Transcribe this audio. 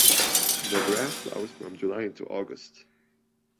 The grass flowers from July into August.